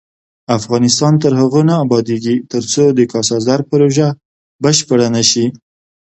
افغانستان تر هغو نه ابادیږي، ترڅو د کاسا زر پروژه بشپړه نشي.